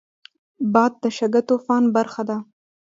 باد د شګهطوفان برخه ده